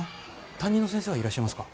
担任の先生はいらっしゃいますか？